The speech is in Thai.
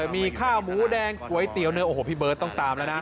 มีข้าวหมูแดงก๋วยเตี๋ยวเนื้อโอ้โหพี่เบิร์ตต้องตามแล้วนะ